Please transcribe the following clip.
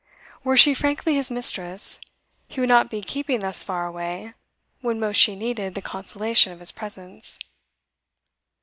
Were she frankly his mistress, he would not be keeping thus far away when most she needed the consolation of his presence.